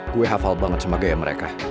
gue hafal banget sama gaya mereka